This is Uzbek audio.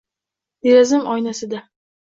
Derazam oynasida